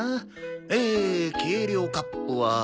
え計量カップは。